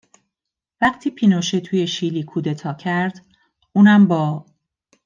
وقتی پینوشه توی شیلی کودتا کرد اونم با